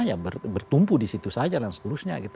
elektabilitasnya ya bertumpu disitu saja dan seterusnya gitu